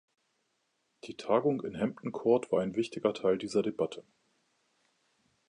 Die Tagung in Hampton Court war ein wichtiger Teil dieser Debatte.